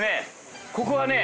ここはね